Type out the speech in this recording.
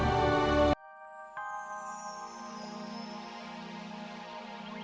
bisa bisa mostnot baik baik aku neng